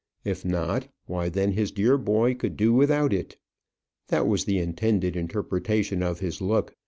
If not, why then his dear boy could do without it. That was the intended interpretation of his look.